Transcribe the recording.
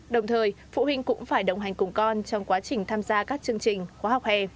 đồng thời phụ huynh cũng phải đồng hành cùng con trong quá trình tham gia các chương trình khóa học hè